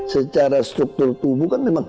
secara struktur tubuh kan memang